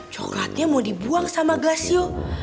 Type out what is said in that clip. coklatnya mau dibuang sama glasio